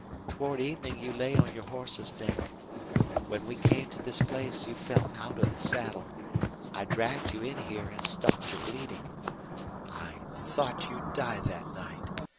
Toward evening you lay on your horse's neck. When we came to this place you fell out of the saddle. I dragged you in here and stopped your bleeding. I thought you'd die that night.